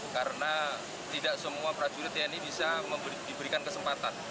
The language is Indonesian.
karena tidak semua trajurit tni bisa diberikan kesempatan